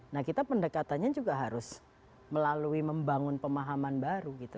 nah kita pendekatannya juga harus melalui membangun pemahaman baru gitu